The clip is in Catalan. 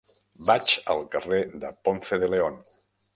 Vaig al carrer de Ponce de León.